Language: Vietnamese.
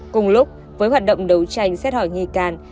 cùng lúc với hoạt động đấu tranh xét hỏi nghi can